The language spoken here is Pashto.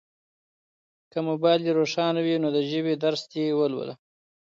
که موبایل دي روښانه وي نو د ژبې درس دي ولوله.